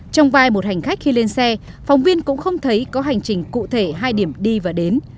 trong vai một hành khách khi lên xe phòng viên cũng không thấy có hành trình cụ thể hai điểm đi và đến